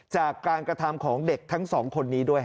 จากการกระทำของเด็กทั้งสองคนนี้ด้วย